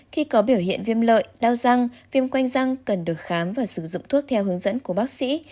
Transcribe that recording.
khi có biểu hiện viêm lợi đau răng viêm quanh răng cần được khám và sử dụng thuốc theo hướng dẫn của bác sĩ